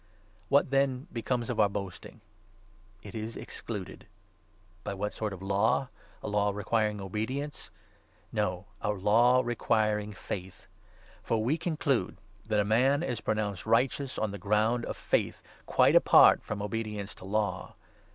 What, then, becomes of our boasting ? It is excluded. 27 By what sort of Law ? A Law requiring obedience ? No, a Law requiring faith. For we conclude that a man is 28 pronounced righteous on the ground of faith, quite apart from obedience to Law.